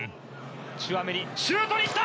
チュアメニシュートに来た！